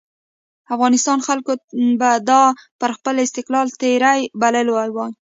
افغانستان خلکو به دا پر خپل استقلال تېری بللی وای.